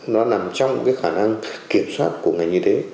nó nằm trong cái khả năng kiểm soát của ngành y tế